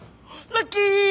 ラッキー！